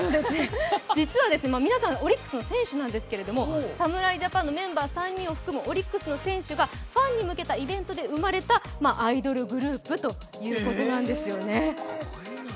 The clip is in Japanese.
実は皆さん、オリックスの選手なんですけども、侍ジャパンのメンバー３人を含むオリックスの選手がファンに向けたイベントで生まれたアイドルグループということなんですよね。